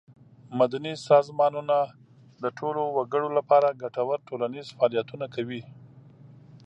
مدني سازمانونه د ټولو وګړو له پاره ګټور ټولنیز فعالیتونه کوي.